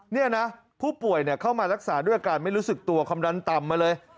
นี่นะผู้ป่วยเข้ามารักษาด้วยอาการไม่รู้สึกตัวความดันต่ำมาเลย